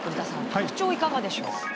特徴はいかがでしょう？